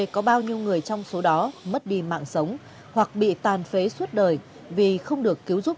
có bao nhiêu người trong số đó mất đi mạng sống hoặc bị tàn phế suốt đời vì không được cứu giúp